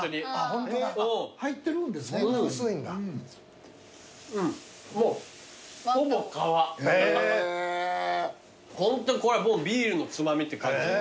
ホントこれもうビールのつまみって感じの。